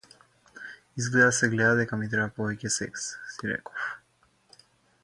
Изгледа се гледа дека ми треба повеќе секс, си реков.